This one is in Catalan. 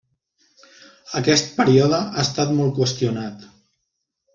Aquest període ha estat molt qüestionat.